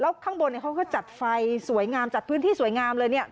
แล้วข้างบนเขาก็จัดไฟสวยงามจัดพื้นที่สวยงามเลย